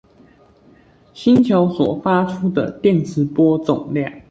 星球所發出的電磁波總量